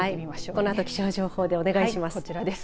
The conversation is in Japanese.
このあと気象情報でお願いします。